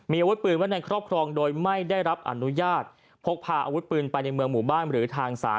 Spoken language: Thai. มีอาวุธปืนไว้ในครอบครองโดยไม่ได้รับอนุญาตพกพาอาวุธปืนไปในเมืองหมู่บ้านหรือทางศาล